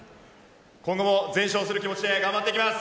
今後も全勝する気持ちで頑張っていきます！